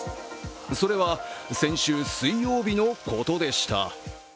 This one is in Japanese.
それは先週水曜日のことでした。